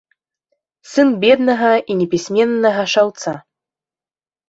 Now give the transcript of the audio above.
Сын беднага і непісьменнага шаўца.